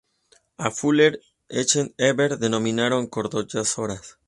A. Fuller y H. G. Evers denominaron "Corydoras" sp.